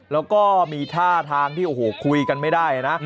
แล้วก็มีท่าทางที่โอ้โหคุยกันไม่ได้นะ